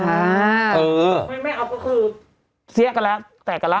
ไม่เอาก็คือเสี้ยกันแล้วแตกกันแล้ว